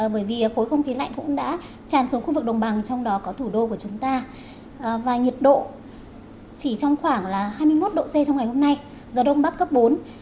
bởi vì khối không khí lạnh cũng đã tràn xuống khu vực đồng bằng trong đó có thủ đô của chúng ta và nhiệt độ chỉ trong khoảng là hai mươi một độ c trong ngày hôm nay gió đông bắc cấp bốn